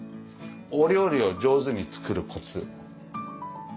お料理を上手に作るコツ。